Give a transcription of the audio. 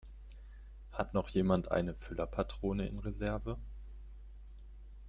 Hat noch jemand eine Füllerpatrone in Reserve?